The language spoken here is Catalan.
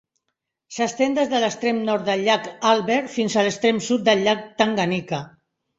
S'estén des de l'extrem nord del llac Albert fins a l'extrem sud del llac Tanganyika.